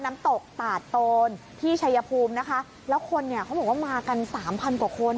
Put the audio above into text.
น้ำตกตาดโตนที่ชัยภูมินะคะแล้วคนเนี่ยเขาบอกว่ามากันสามพันกว่าคน